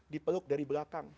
dipeluk dari belakang